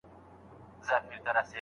که ئې زړونو ته قلفونه لويدلي دي؟